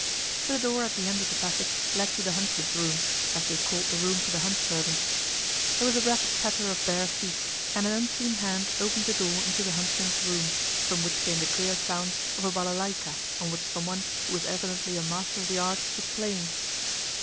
The door at the end of the passage led to the huntsmen's room, as they called the room for the hunt servants. There was a rapid patter of bare feet, and an unseen hand opened the door into the huntsmen's room, from which came the clear sounds of a balaláyka on which someone, who was evidently a master of the art, was playing.